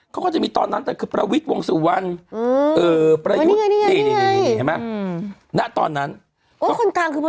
เขาก็จะมีตอนนั้นแต่คือประวิทย์วงสถวัณธ์อือ